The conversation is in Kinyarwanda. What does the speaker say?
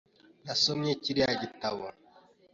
Nasomye kiriya gitabo .